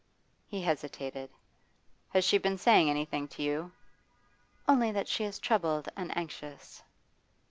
He hesitated. 'Has she been saying anything to you?' 'Only that she is troubled and anxious.